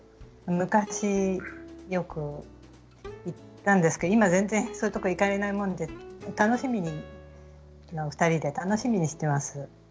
昔よく行ったんですけど今全然そういうところ行かれないもんで楽しみに２人で楽しみにしてます。